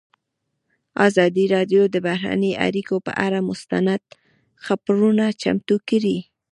ازادي راډیو د بهرنۍ اړیکې پر اړه مستند خپرونه چمتو کړې.